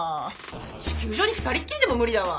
地球上に２人っきりでも無理だわ。